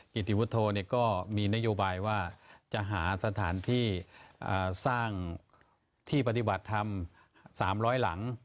กิจติวุฒโธก็มีนโยบายว่าจะหาสถานที่สร้างที่ปฏิบัติธรรม๓๐๐หลัง